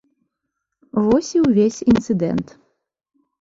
Вось і ўвесь інцыдэнт.